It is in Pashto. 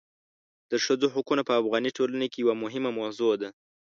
د ښځو حقونه په افغاني ټولنه کې یوه مهمه موضوع ده.